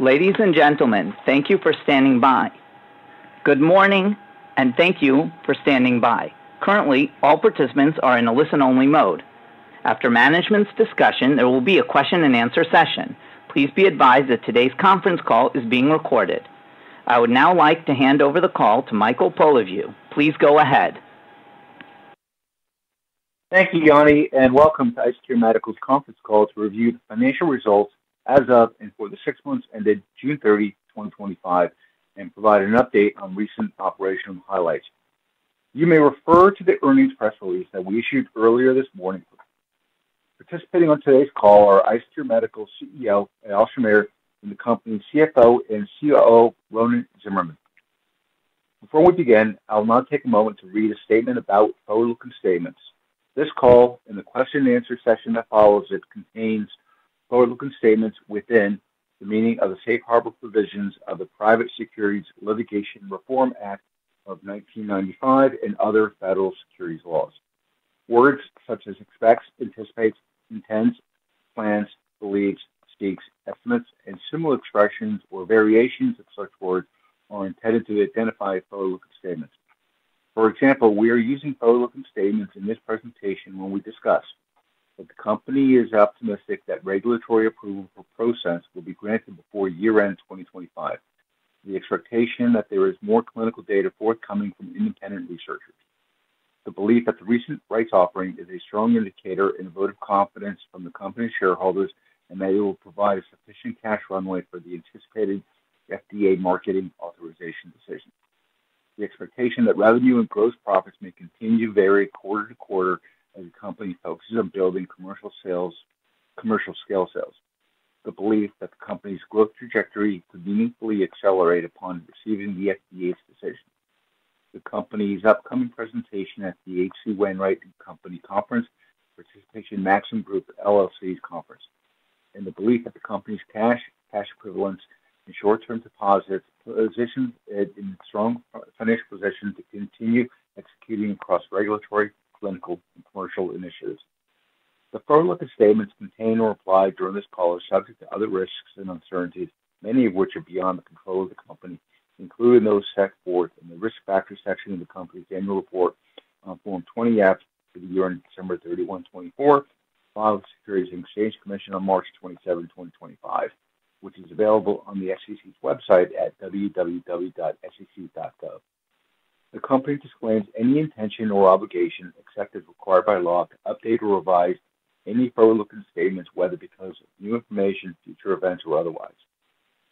Ladies and gentlemen, thank you for standing by. Good morning, and thank you for standing by. Currently, all participants are in a listen-only mode. After management's discussion, there will be a question-and-answer session. Please be advised that today's conference call is being recorded. I would now like to hand over the call to Michael Polyviou. Please go ahead. Thank you, Yani, and welcome to IceCure Medical's Conference Call to review the financial results as of and for the six months ending June 30, 2025, and provide an update on recent operational highlights. You may refer to the earnings press release that we issued earlier this morning. Participating on today's call are IceCure Medical's CEO, Eyal Shamir, and the company's CFO and COO, Ronen Tsimerman. Before we begin, I will now take a moment to read a statement about forward-looking statements. This call and the question-and-answer session that follows it contain forward-looking statements within the meaning of the safe harbor provisions of the Private Securities Litigation Reform Act of 1995 and other federal securities laws. Words such as expects, anticipates, intends, plans, believes, states, estimates, and similar expressions or variations of such words are intended to identify forward-looking statements. For example, we are using forward-looking statements in this presentation when we discuss that the company is optimistic that regulatory approval for ProSense will be granted before year-end 2025. The expectation is that there is more clinical data forthcoming from independent researchers. The belief that the recent rights offering is a strong indicator and a vote of confidence from the company's shareholders and that it will provide sufficient cash runway for the anticipated FDA marketing authorization decision. The expectation that revenue and gross profit may continue to vary quarter-to-quarter as the company focuses on building commercial scale sales. The belief that the company's growth trajectory could meaningfully accelerate upon receiving the FDA's decision. The company's upcoming presentation at the H.C. Wainwright & Co Conference, participation in Maxim Group LLC's conference, and the belief that the company's cash, cash equivalents, and short-term deposits position it in strong financial position to continue executing across regulatory, clinical, and commercial initiatives. The forward-looking statements contained or applied during this call are subject to other risks and uncertainties, many of which are beyond the control of the company, including those set forth in the risk factor section of the company's annual report on Form 20-F for the year ended December 31, 2024, filed with the Securities and Exchange Commission on March 27, 2025, which is available on the SEC's website at www.sec.gov. The company disclaims any intention or obligation except as required by law to update or revise any forward-looking statements, whether because of new information, future events, or otherwise.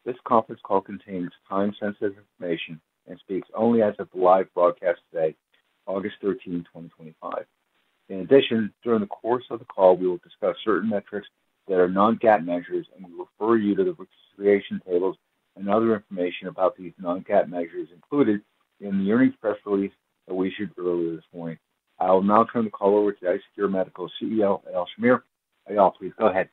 This conference call contains time-sensitive information and speaks only as of the live broadcast today, August 13, 2025. In addition, during the course of the call, we will discuss certain metrics that are non-GAAP measures, and we will refer you to the reconciliation tables and other information about these non-GAAP measures included in the earnings press release that we issued earlier this morning. I will now turn the call over to IceCure Medical's CEO, Eyal Shamir. Eyal, please go ahead.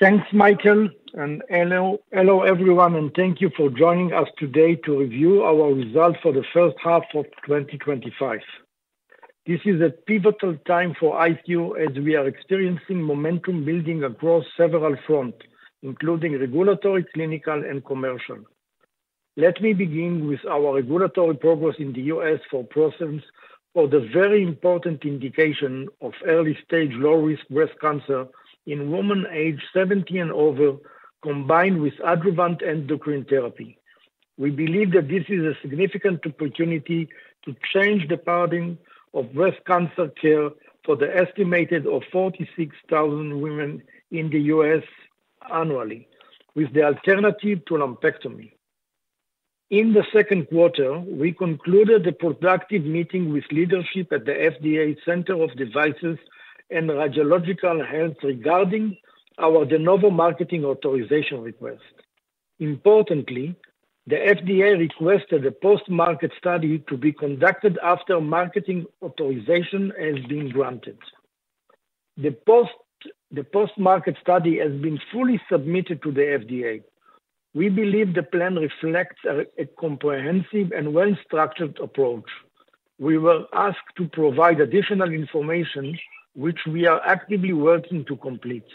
Thanks, Michael. Hello, everyone, and thank you for joining us today to review our results for the first half of 2025. This is a pivotal time for IceCure as we are experiencing momentum building across several fronts, including regulatory, clinical, and commercial. Let me begin with our regulatory progress in the U.S. for ProSense for the very important indication of early-stage low-risk breast cancer in women aged 70 and over, combined with adjuvant endocrine therapy. We believe that this is a significant opportunity to change the paradigm of breast cancer care for the estimated 46,000 women in the U.S. annually, with the alternative to lumpectomy. In the second quarter, we concluded a productive meeting with leadership at the FDA Center of Devices and Radiological Health regarding our de novo marketing authorization request. Importantly, the FDA requested a post-market study to be conducted after marketing authorization has been granted. The post-market study has been fully submitted to the FDA. We believe the plan reflects a comprehensive and well-structured approach. We were asked to provide additional information, which we are actively working to complete.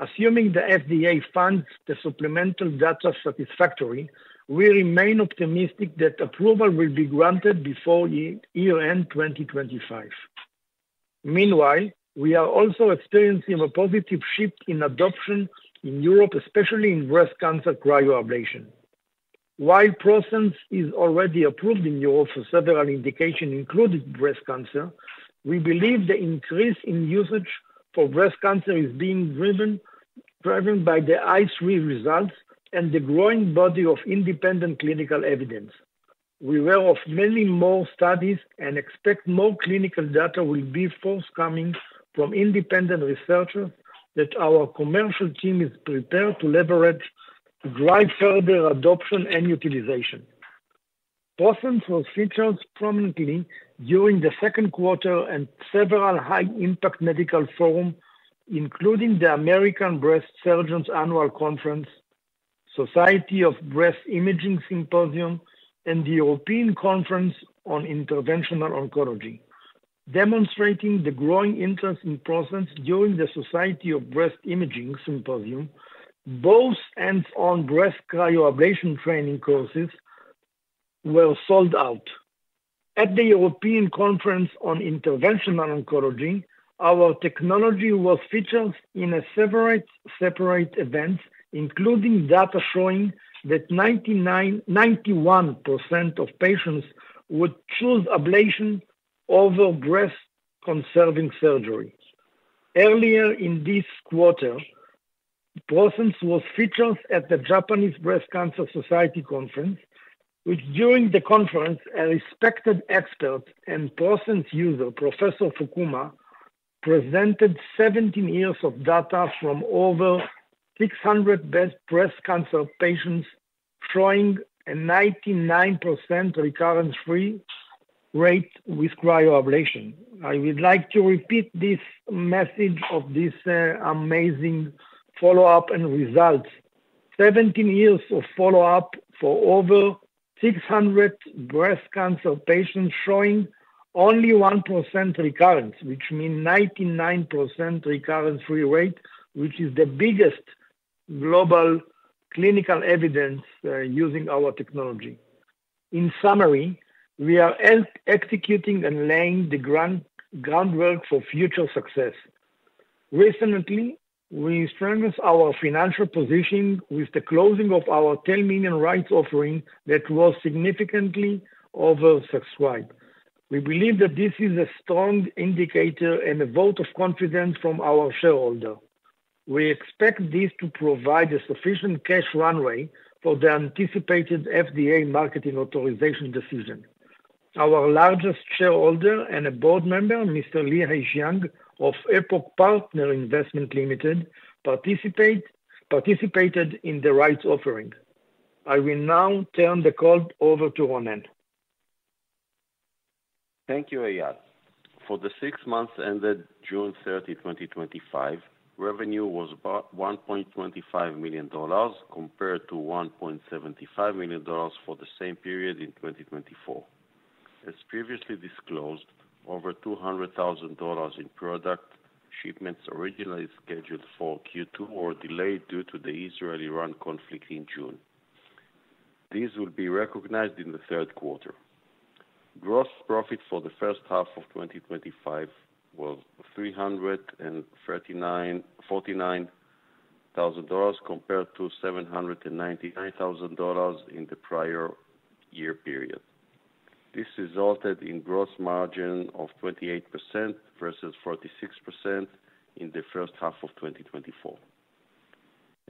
Assuming the FDA finds the supplemental data satisfactory, we remain optimistic that approval will be granted before year-end 2025. Meanwhile, we are also experiencing a positive shift in adoption in Europe, especially in breast cancer cryoablation. While ProSense is already approved in Europe for several indications, including breast cancer, we believe the increase in usage for breast cancer is being driven by the ICE3 study results and the growing body of independent clinical evidence. We are aware of many more studies and expect more clinical data will be forthcoming from independent researchers that our commercial team is prepared to leverage to drive further adoption and utilization. ProSense was featured prominently during the second quarter at several high-impact medical forums, including the American Breast Surgeons Annual Conference, Society of Breast Imaging Symposium, and the European Conference on Interventional Oncology. Demonstrating the growing interest in ProSense during the Society of Breast Imaging Symposium, both hands-on breast cryoablation training courses were sold out. At the European Conference on Interventional Oncology, our technology was featured in a separate event, including data showing that 91% of patients would choose ablation over breast-conserving surgery. Earlier in this quarter, ProSense was featured at the Japanese Breast Cancer Society Conference, which during the conference, a respected expert and ProSense user, Professor Fukuma, presented 17 years of data from over 600 breast cancer patients showing a 99% recurrence-free rate with cryoablation. I would like to repeat this message of this amazing follow-up and results. 17 years of follow-up for over 600 breast cancer patients showing only 1% recurrence, which means 99% recurrence-free rate, which is the biggest global clinical evidence using our technology. In summary, we are executing and laying the groundwork for future success. Recently, we strengthened our financial position with the closing of our $10 million rights offering that was significantly oversubscribed. We believe that this is a strong indicator and a vote of confidence from our shareholder. We expect this to provide a sufficient cash runway for the anticipated FDA marketing authorization decision. Our largest shareholder and a board member, Mr. Li Haixiang of EPOCH Partner Investment Limited, participated in the rights offering. I will now turn the call over to Ronen. Thank you, Eyal. For the six months ended June 30, 2025, revenue was about $1.25 million compared to $1.75 million for the same period in 2024. As previously disclosed, over $200,000 in product shipments originally scheduled for Q2 were delayed due to the Israel-Iran conflict in June. These will be recognized in the third quarter. Gross profit for the first half of 2025 was $349,000 compared to $799,000 in the prior year period. This resulted in a gross margin of 28% versus 46% in the first half of 2024.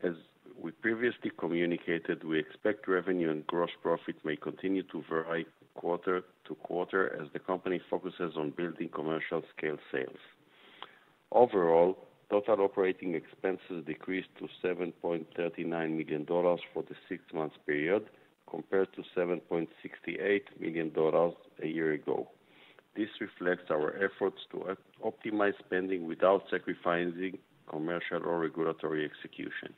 As we previously communicated, we expect revenue and gross profit may continue to vary quarter-to-quarter as the company focuses on building commercial-scale sales. Overall, total operating expenses decreased to $7.39 million for the six-month period compared to $7.68 million a year ago. This reflects our efforts to optimize spending without sacrificing commercial or regulatory execution.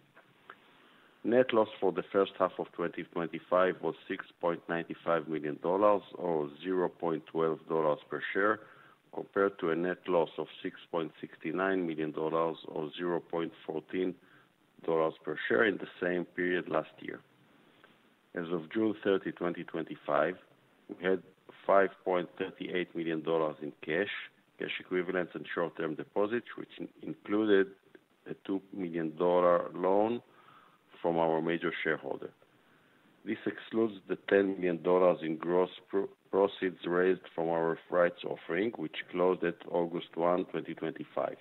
Net loss for the first half of 2025 was $6.95 million or $0.12 per share compared to a net loss of $6.69 million or $0.14 per share in the same period last year. As of June 30, 2025, we had $5.38 million in cash, cash equivalents, and short-term deposits, which included a $2 million loan from our major shareholder. This excludes the $10 million in gross proceeds raised from our rights offering, which closed at August 1, 2025.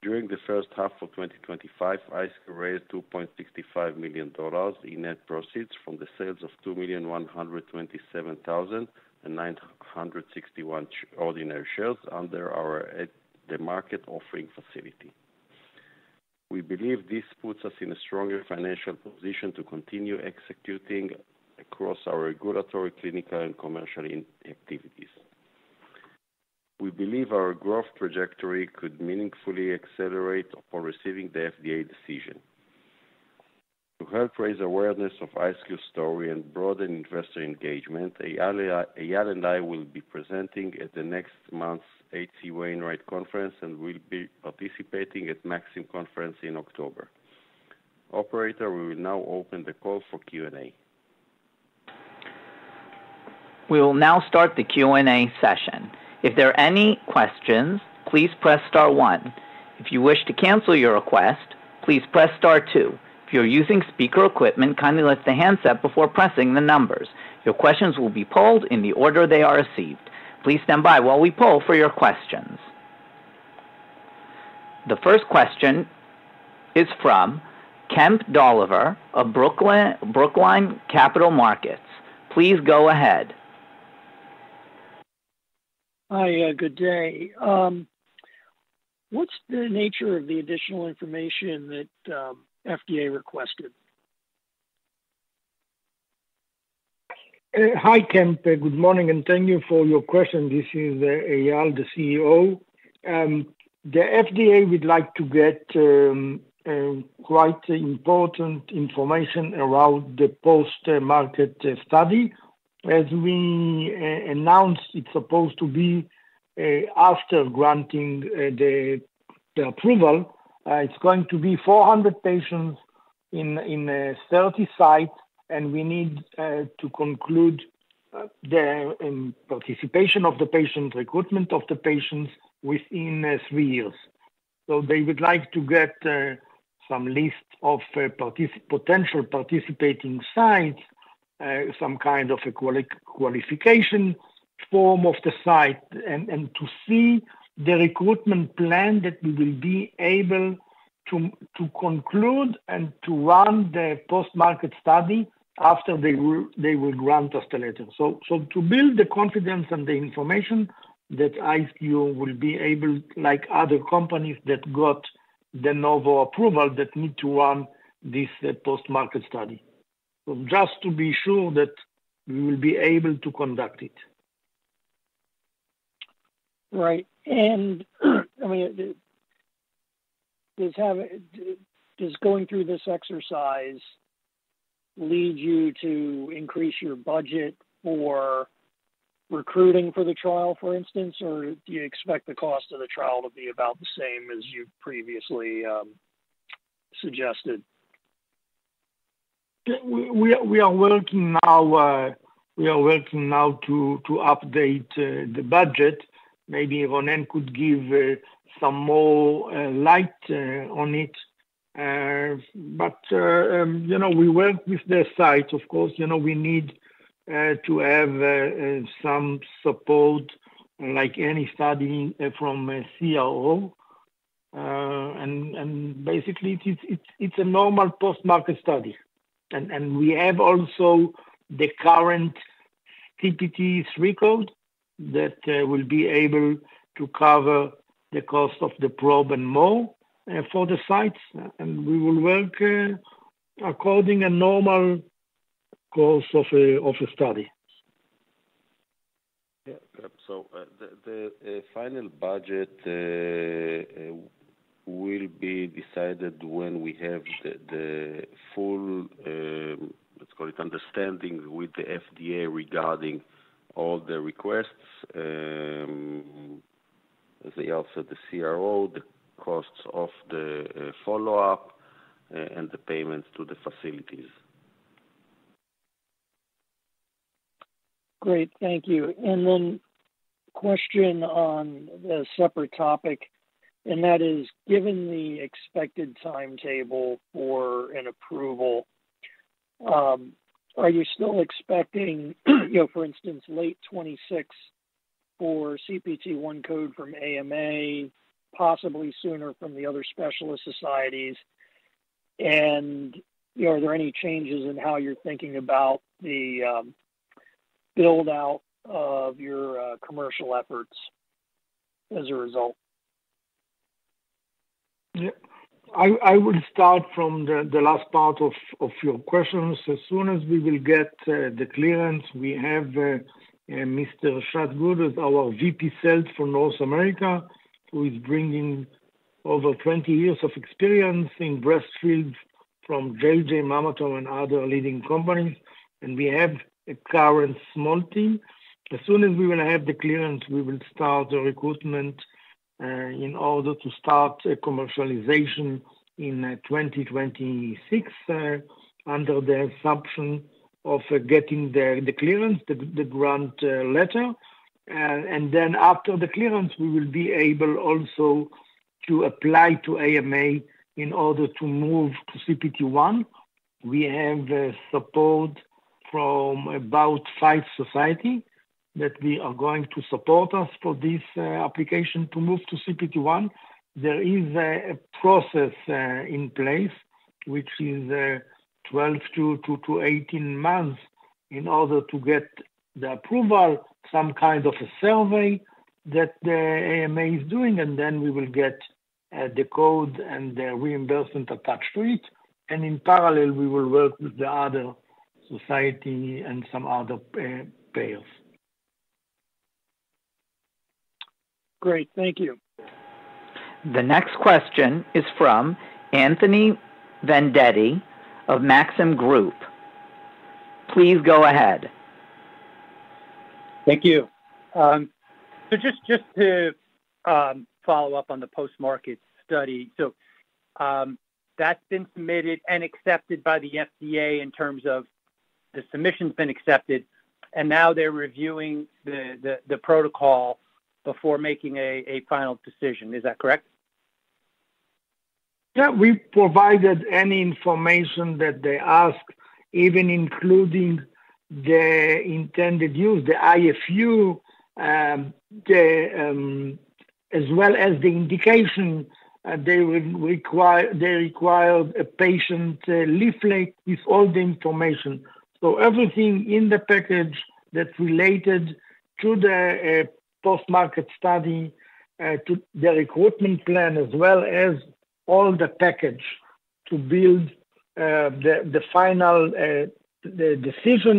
During the first half of 2025, IceCure raised $2.65 million in net proceeds from the sales of 2,127,961 ordinary shares under our at the market offering facility. We believe this puts us in a stronger financial position to continue executing across our regulatory, clinical, and commercial activities. We believe our growth trajectory could meaningfully accelerate upon receiving the FDA decision. To help raise awareness of IceCure's story and broaden investor engagement, Eyal and I will be presenting at next month's H.C. Wainwright Conference and will be participating at Maxim Conference in October. Operator, we will now open the call for Q&A. We will now start the Q&A session. If there are any questions, please press star one. If you wish to cancel your request, please press star two. If you're using speaker equipment, kindly lift the handset before pressing the numbers. Your questions will be pulled in the order they are received. Please stand by while we pull for your questions. The first question is from Kemp Dolliver of Brookline Capital Markets. Please go ahead. Hi, good day. What's the nature of the additional information that FDA requested? Hi, Kemp. Good morning, and thank you for your question. This is Eyal, the CEO. The FDA would like to get quite important information around the post-market study. As we announced, it's supposed to be after granting the approval. It's going to be 400 patients in 30 sites, and we need to conclude the participation of the patient recruitment of the patients within three years. They would like to get some list of potential participating sites, some kind of a qualification form of the site, and to see the recruitment plan that we will be able to conclude and to run the post-market study after they will grant us the letter. This is to build the confidence and the information that IceCure will be able, like other companies that got de novo approval, that need to run this post-market study. Just to be sure that we will be able to conduct it. Right. Does going through this exercise lead you to increase your budget for recruiting for the trial, for instance, or do you expect the cost of the trial to be about the same as you previously suggested? We are working now to update the budget. Maybe Ronen could give some more light on it. You know we work with the sites. Of course, you know we need to have some support, like any study from a COO. Basically, it's a normal post-market study. We have also the current TTTs record that will be able to cover the cost of the probe and more for the sites. We will work according to a normal cost of a study. Yeah. The final budget will be decided when we have the full, let's call it, understanding with the FDA regarding all the requests, as they offer the CRO, the costs of the follow-up, and the payments to the facilities. Great. Thank you. A question on a separate topic, given the expected timetable for an approval, are you still expecting, for instance, late 2026 for CPT1 code from AMA, possibly sooner from the other specialist societies? Are there any changes in how you're thinking about the build-out of your commercial efforts as a result? Yeah. I would start from the last part of your questions. As soon as we will get the clearance, we have Mr. Shad Good, our VP Sales for North America, who is bringing over 20 years of experience in breast imaging from JJ Mammatome and other leading companies. We have a current small team. As soon as we will have the clearance, we will start the recruitment in order to start commercialization in 2026, under the assumption of getting the clearance, the grant letter. After the clearance, we will be able also to apply to AMA in order to move to CPT1. We have support from about five societies that are going to support us for this application to move to CPT1. There is a process in place, which is 12-18 months in order to get the approval, some kind of a survey that the AMA is doing. We will get the code and the reimbursement attached to it. In parallel, we will work with the other societies and some other payers. Great. Thank you. The next question is from Anthony Vendetti of Maxim Group. Please go ahead. Thank you. Just to follow up on the post-market study, that's been submitted and accepted by the FDA in terms of the submission's been accepted. They're reviewing the protocol before making a final decision. Is that correct? Yeah. We provided any information that they asked, even including the intended use, the IFU, as well as the indication. They require a patient leaflet with all the information. Everything in the package that's related to the post-market study, to the recruitment plan, as well as all the package to build the final decision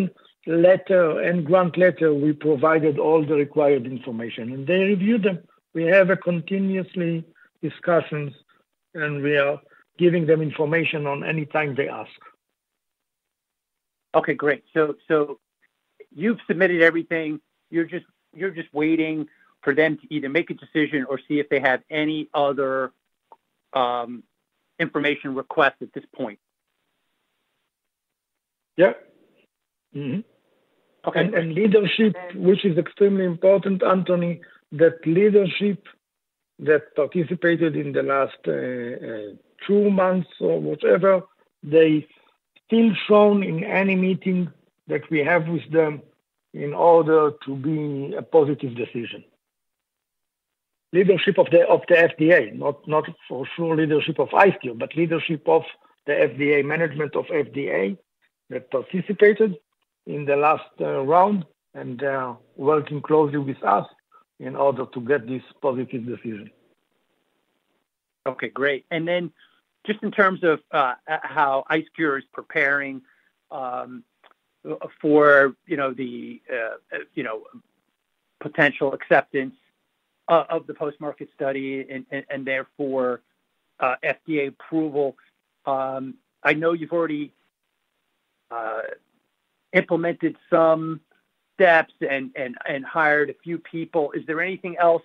letter and grant letter, we provided all the required information. They reviewed them. We have continuous discussions, and we are giving them information any time they ask. Great. You've submitted everything. You're just waiting for them to either make a decision or see if they have any other information requests at this point. Yeah. Leadership, which is extremely important, Anthony, that leadership that participated in the last two months or whatever, they still shown in any meeting that we have with them in order to be a positive decision. Leadership of the FDA, not for sure leadership of IceCure, but leadership of the FDA, management of FDA that participated in the last round and working closely with us in order to get this positive decision. Okay. Great. In terms of how IceCure is preparing for the potential acceptance of the post-market study and therefore FDA approval, I know you've already implemented some steps and hired a few people. Is there anything else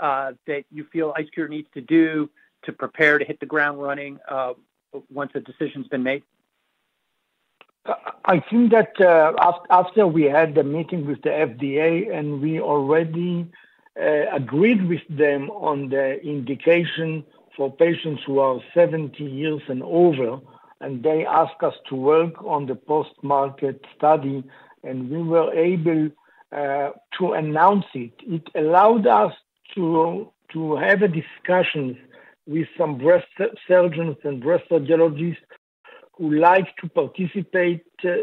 that you feel IceCure needs to do to prepare to hit the ground running once a decision's been made? I think that after we had the meeting with the FDA and we already agreed with them on the indication for patients who are 70 years and over, and they asked us to work on the post-market study, and we were able to announce it. It allowed us to have a discussion with some breast surgeons and breast radiologists who like to participate to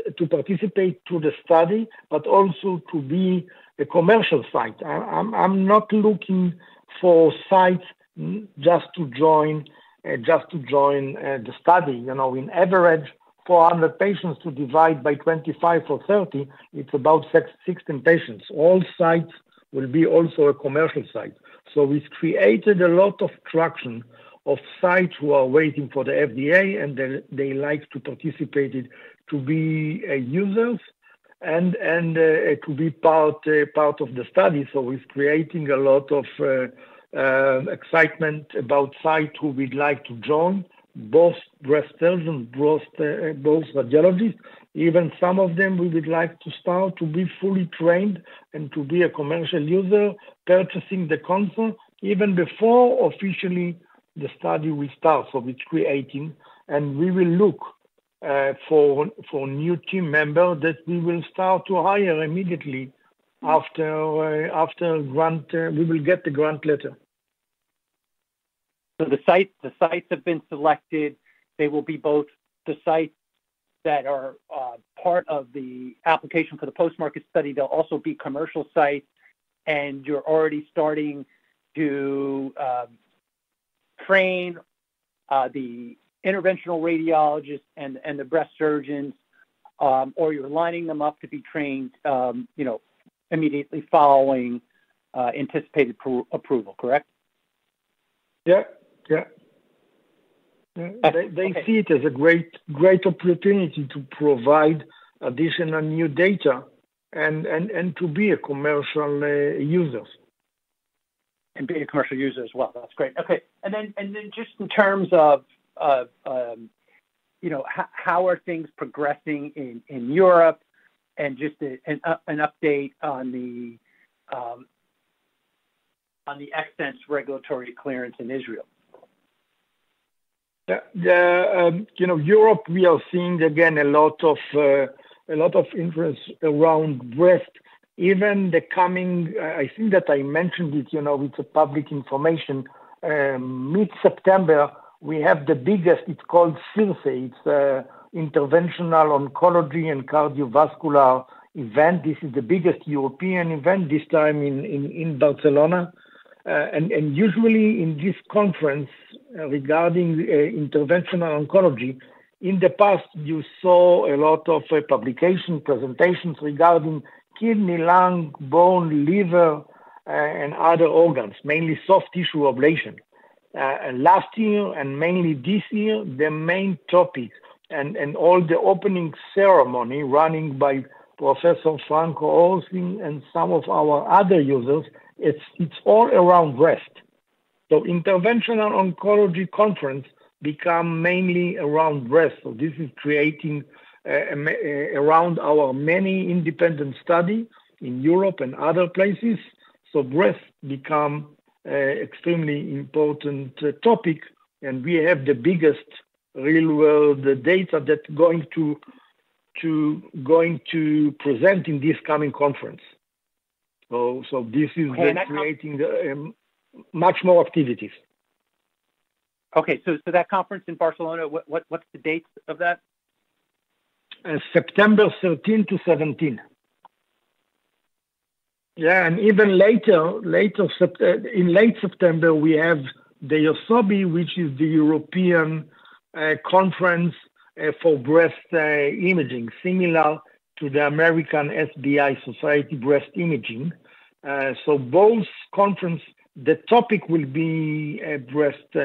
the study, but also to be a commercial site. I'm not looking for sites just to join the study. In average, 400 patients to divide by 25 or 30, it's about 16 patients. All sites will be also a commercial site. We've created a lot of traction of sites who are waiting for the FDA and they like to participate to be users and to be part of the study. We're creating a lot of excitement about sites who would like to join, both breast surgeons, both radiologists. Even some of them we would like to start to be fully trained and to be a commercial user purchasing the consent even before officially the study will start. It's creating, and we will look for new team members that we will start to hire immediately after we will get the grant letter. The sites have been selected. They will be both the sites that are part of the application for the post-market study. They'll also be commercial sites. You're already starting to train the interventional radiologists and the breast surgeons, or you're lining them up to be trained immediately following anticipated approval, correct? Yeah, they see it as a great opportunity to provide additional new data and to be a commercial user. That's great. Okay. In terms of how are things progressing in Europe, just an update on the accents regulatory clearance in Israel? Yeah. You know, Europe, we are seeing again a lot of interest around breast. Even the coming, I think that I mentioned it, you know, with the public information. Mid-September, we have the biggest, it's called CIRSE. It's Interventional Oncology and Cardiovascular Event. This is the biggest European event this time in Barcelona. Usually, in this conference regarding interventional oncology, in the past, you saw a lot of publication presentations regarding kidney, lung, bone, liver, and other organs, mainly soft tissue ablation. Last year and mainly this year, the main topics and all the opening ceremony running by Professor Franco Olsen and some of our other users, it's all around breast. Interventional Oncology Conference becomes mainly around breast. This is creating around our many independent studies in Europe and other places. Breast becomes an extremely important topic. We have the biggest real-world data that's going to present in this coming conference. This is creating much more activities. Okay. That conference in Barcelona, what's the date of that? September 13-17. Yeah. Even later, in late September, we have the EUSOBI, which is the European Conference for Breast Imaging, similar to the American SBI Society, Breast Imaging. Both conferences, the topic will be breast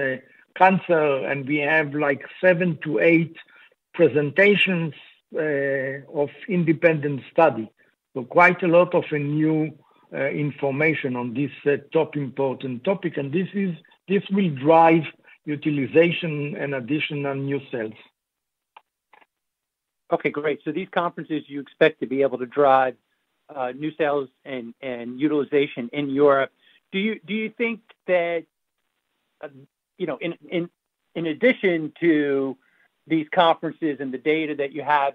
cancer. We have like seven to eight presentations of independent studies, quite a lot of new information on this topic, important topic. This will drive utilization and additional new sales. Great. These conferences, you expect to be able to drive new sales and utilization in Europe. Do you think that, in addition to these conferences and the data that you have,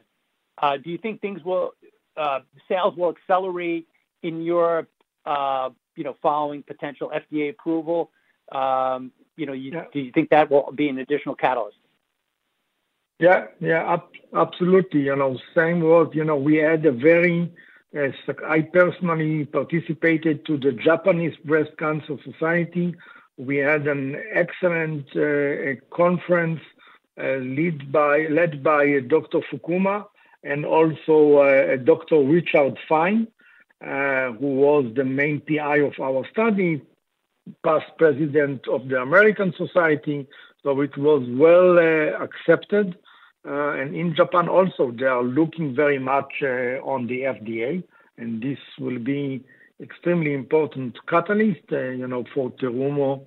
sales will accelerate in Europe following potential FDA approval? Do you think that will be an additional catalyst? Yeah. Yeah. Absolutely. You know, same world. You know, we had a very, I personally participated in the Japanese Breast Cancer Society. We had an excellent conference led by Dr. Fukuma and also Dr. Richard Fein, who was the main PI of our study, past president of the American Society. It was well accepted. In Japan, also, they are looking very much on the FDA. This will be an extremely important catalyst, you know, for Terumo,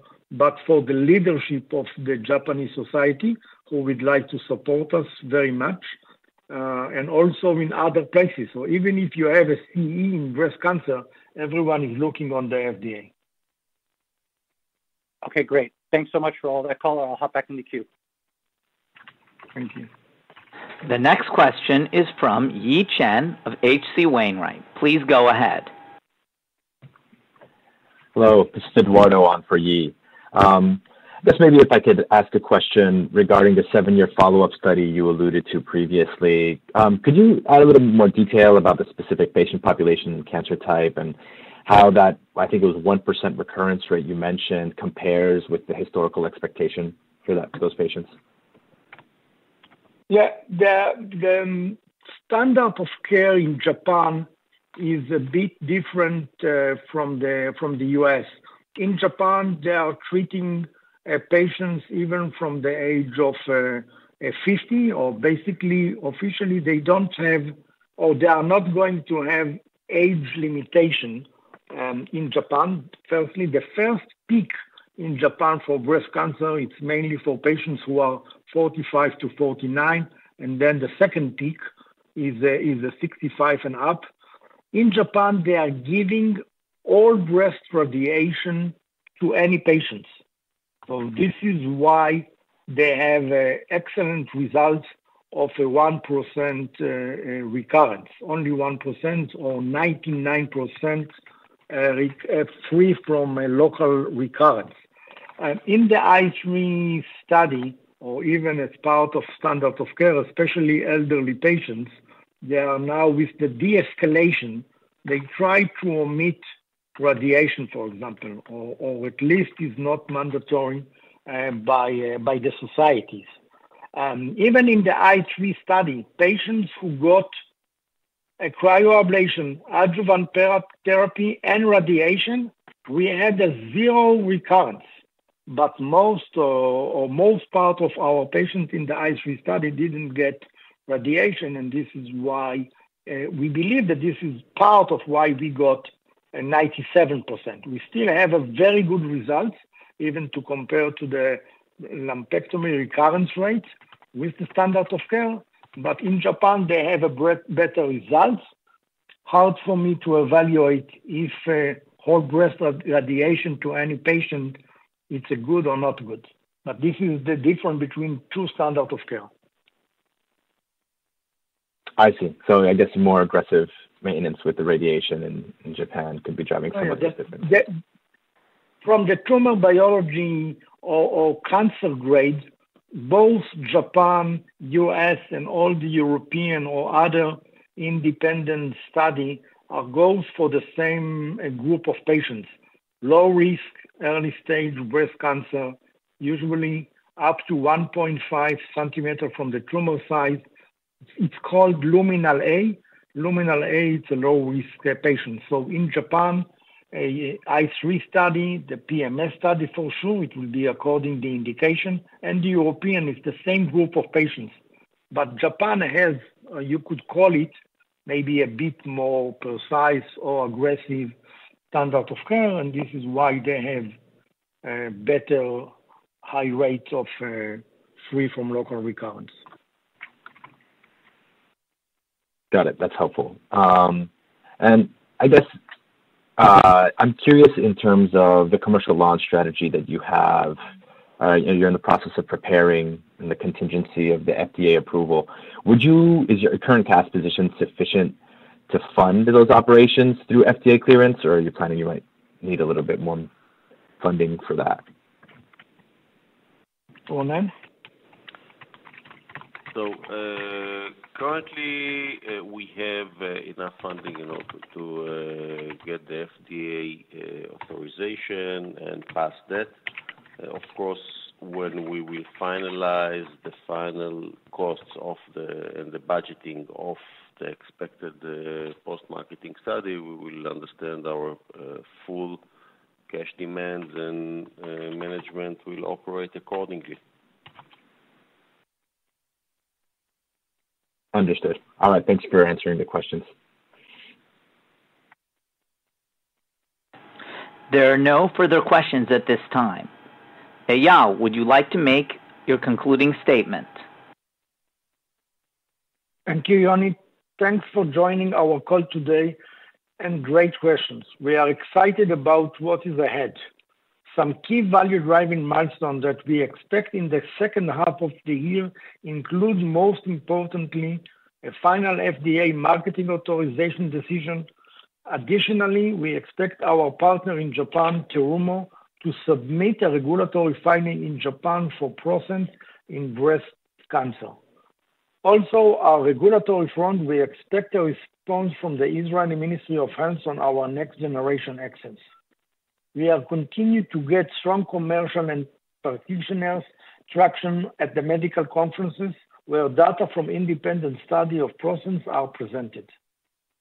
for the leadership of the Japanese Society, who would like to support us very much. Also in other places, even if you have a CE in breast cancer, everyone is looking on the FDA. Okay. Great. Thanks so much for all that. I'll hop back in the queue. Thank you. The next question is from Yi Chen of H.C. Wainwright. Please go ahead. Hello. This is Eduardo on for Ye. I guess maybe if I could ask a question regarding the seven-year follow-up study you alluded to previously. Could you add a little bit more detail about the specific patient population and cancer type and how that, I think it was 1% recurrence rate you mentioned, compares with the historical expectation for those patients? Yeah. Their standard of care in Japan is a bit different from the U.S. In Japan, they are treating patients even from the age of 50, or basically, officially, they don't have, or they are not going to have, age limitation. In Japan, firstly, the first peak in Japan for breast cancer, it's mainly for patients who are 45-49. The second peak is 65 and up. In Japan, they are giving whole breast radiation to any patients. This is why they have excellent results of a 1% recurrence, only 1%, or 99% free from a local recurrence. In the ICE3 study, or even as part of standard of care, especially elderly patients, they are now with the de-escalation. They try to omit radiation, for example, or at least it is not mandatory by the societies. Even in the ICE3 study, patients who got a cryoablation, adjuvant therapy, and radiation, we had a zero recurrence. For the most part, our patients in the ICE3 study didn't get radiation. This is why we believe that this is part of why we got a 97%. We still have very good results, even to compare to the lumpectomy recurrence rates with the standard of care. In Japan, they have better results. It is hard for me to evaluate if whole breast radiation to any patient is good or not good. This is the difference between two standards of care. I see. I guess more aggressive maintenance with the radiation in Japan could be driving for you. Oh, yeah, definitely. From the tumor biology or cancer grade, both Japan, U.S., and all the European or other independent studies are goals for the same group of patients. Low-risk, early-stage breast cancer, usually up to 1.5 centimeters from the tumor site. It's called Luminal A. Luminal A, it's a low-risk patient. In Japan, ICE3 study, the PMS study, for sure, it will be according to the indication. The European is the same group of patients. Japan has, you could call it, maybe a bit more precise or aggressive standard of care. This is why they have a better, high rate of free from local recurrence. Got it. That's helpful. I guess I'm curious in terms of the commercial launch strategy that you have. You're in the process of preparing and the contingency of the FDA approval. Would you, is your current task position sufficient to fund those operations through FDA clearance, or are you planning you might need a little bit more funding for that? Ronen? Currently, we have enough funding, you know, to get the FDA authorization and pass that. Of course, when we will finalize the final costs and the budgeting of the expected post-market study, we will understand our full cash demands and management will operate accordingly. Understood. All right. Thank you for answering the questions. There are no further questions at this time. Eyal, would you like to make your concluding statement? Thank you, Yani. Thanks for joining our call today and great questions. We are excited about what is ahead. Some key value-driving milestones that we expect in the second half of the year include, most importantly, a final FDA marketing authorization decision. Additionally, we expect our partner in Japan, Terumo, to submit a regulatory filing in Japan for ProSense in breast cancer. Also, on our regulatory front, we expect a response from the Israeli Ministry of Health on our next-generation accents. We are continuing to get strong commercial and practitioners' traction at the medical conferences where data from independent studies of ProSense are presented.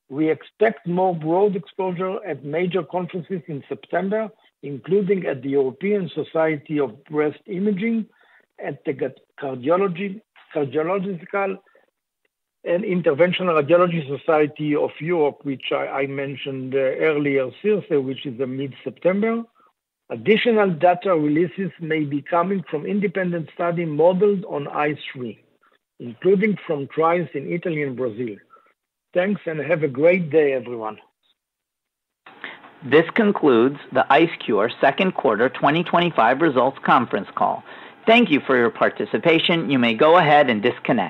We expect more broad exposure at major conferences in September, including at the European Society of Breast Imaging, at the Cardiological and Interventional Radiology Society of Europe, which I mentioned earlier, CIRSE, which is in mid-September. Additional data releases may be coming from independent studies modeled on ICE3, including from trials in Italy and Brazil. Thanks, and have a great day, everyone. This concludes the IceCure Second Quarter 2025 Results Conference Call. Thank you for your participation. You may go ahead and disconnect.